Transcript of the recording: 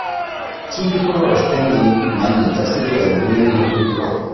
Two people are standing, man in a tuxedo and women in a blue gown.